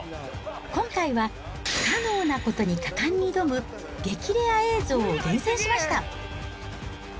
今回は、不可能なことに果敢に挑む、激レア映像を厳選しました。